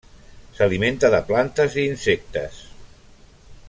S'alimenta de plantes i insectes.